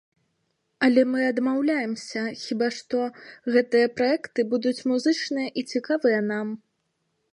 Але мы адмаўляемся, хіба што, гэтыя праекты будуць музычныя і цікавыя нам.